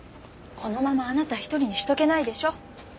このままあなた一人にしとけないでしょ。